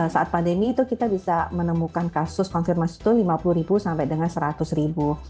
saat pandemi itu kita bisa menemukan kasus konfirmasi itu lima puluh ribu sampai dengan seratus ribu